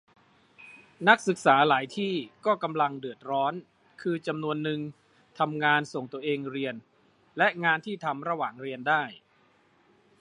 นักศึกษาหลายที่ก็กำลังเดือดร้อน คือจำนวนนึงทำงานส่งตัวเองเรียน และงานที่ทำระหว่างเรียนได้